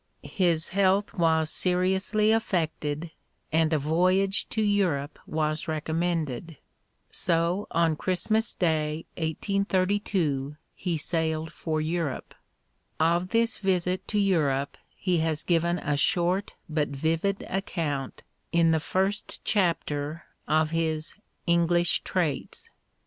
His health was seriously affected, and a voyage to Europe was recommended. So on Christmas Day 1832 he sailed for Europe. Of this visit to Europe he has given a short but vivid account in the first chapter of his "English Traits."